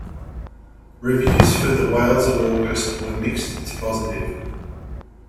Reviews for "The Whales of August" were mixed to positive.